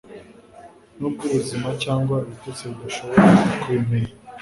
nubwo ubuzima cyangwa ibitotsi bidashobora kubimenya